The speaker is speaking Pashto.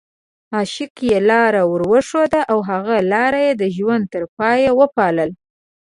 عشق یې لاره ورښوده او هغه لاره یې د ژوند تر پایه وپالله.